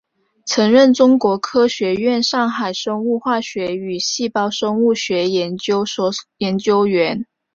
曾任中国科学院上海生物化学与细胞生物学研究所研究员。